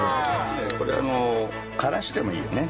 これからしでもいいよね。